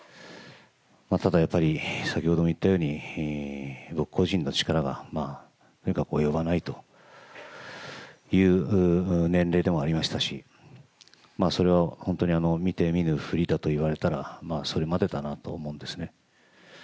ただやっぱり、先ほども言ったように、僕個人の力はとにかく及ばないという年齢でもありましたし、それは本当に見て見ぬふりだといわれたら、それまでだなと思うんですね。